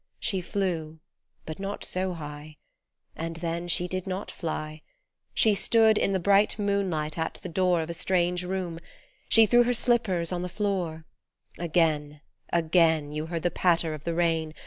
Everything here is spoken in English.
She flew, but not so high And then she did not fly ; She stood in the bright moonlight at the door Of a strange room, she threw her slippers on the floor Again, again You heard the patter of the rain.